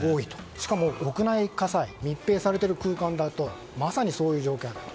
しかも屋内火災密閉されている空間だとまさにそういう状況だと。